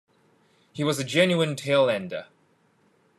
He was a genuine tail-ender.